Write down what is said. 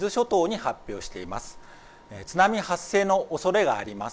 津波発生のおそれがあります。